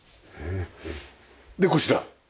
でこちら。